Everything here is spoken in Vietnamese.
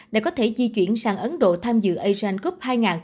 để có thể di chuyển sang ấn độ tham dự asian cup hai nghìn hai mươi hai